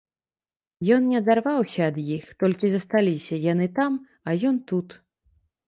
Ён не адарваўся ад іх, толькі засталіся яны там, а ён тут.